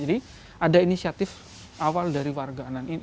jadi ada inisiatif awal dari warga